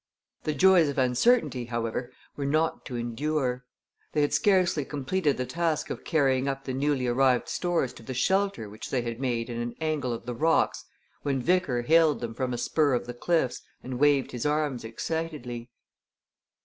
The joys of uncertainty, however, were not to endure. They had scarcely completed the task of carrying up the newly arrived stores to the shelter which they had made in an angle of the rocks when Vickers hailed them from a spur of the cliffs and waved his arms excitedly.